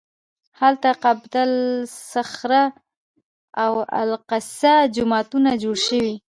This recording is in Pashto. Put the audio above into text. هلته قبة الصخره او الاقصی جوماتونه جوړ شوي.